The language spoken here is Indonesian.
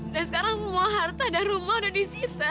dan sekarang semua harta dan rumah udah disita